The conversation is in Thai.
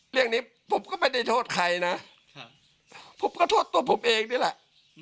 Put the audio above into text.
เรื่องนี้ผมก็ไม่ได้โทษใครนะผมก็โทษตัวผมเองนี่แหละ